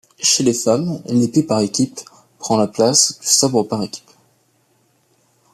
Chez les femmes, l'épée par équipes prend la place du sabre par équipes.